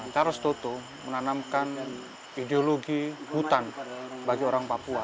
charles toto menanamkan ideologi hutan bagi orang papua